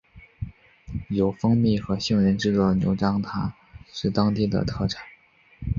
由蜂蜜和杏仁制作的牛轧糖是当地的特产。